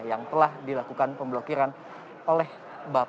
yang telah dilakukan pemblokiran oleh bapak